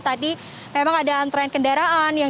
tadi memang ada antrean kendaraan